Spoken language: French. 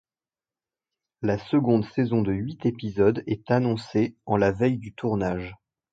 La seconde saison de huit épisodes est annoncée en la veille du tournage.